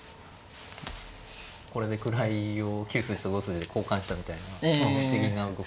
これで位を９筋と５筋で交換したみたいな不思議な動き。